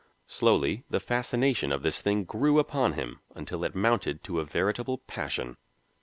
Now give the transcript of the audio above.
Slowly the fascination of this thing grew upon him until it mounted to a veritable passion.